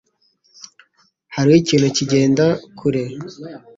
Hariho ikintu kigenda kure.